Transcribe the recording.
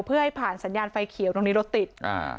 เพื่อให้ผ่านสัญญาณไฟเขียวตรงนี้รถติดอ่า